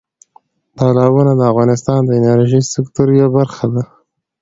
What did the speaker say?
تالابونه د افغانستان د انرژۍ سکتور یوه برخه ده.